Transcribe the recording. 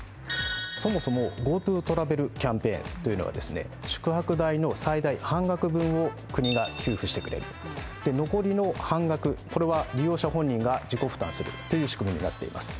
そもそもＧｏＴｏトラベルキャンペーンという宿泊分の最大半額分を国が給付してくれる、残りの半額、これは利用者本人が自己負担するという仕組みになっています。